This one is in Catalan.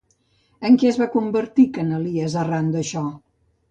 En què es va convertir Canalies, arran d'això?